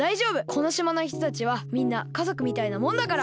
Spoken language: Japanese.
このしまのひとたちはみんなかぞくみたいなもんだから。